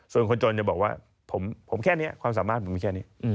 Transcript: ส่วนคนจนจะบอกว่าผมแค่นี้ความสามารถผมมีแค่นี้